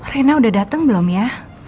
reina udah dateng belum ya